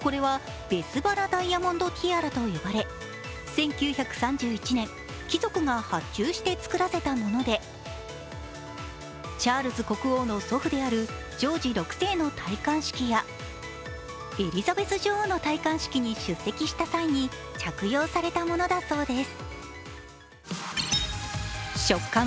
１９３１年、貴族が発注して作らせたものでチャールズ国王の祖父であるジョージ６世の戴冠式やエリザベス女王の戴冠式に出席した際に着用されたものだそうです。